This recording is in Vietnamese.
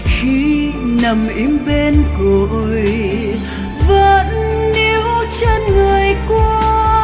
khi nằm im bên côi vẫn níu chân người qua